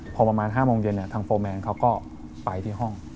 พอประมาณ๕โมงเย็นทางโฟร์แมนเขาก็ไปที่ห้อง